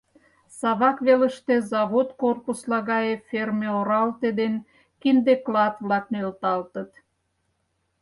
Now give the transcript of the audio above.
Савак велыште завод корпусла гае ферме оралте ден кинде клат-влак нӧлталтыт.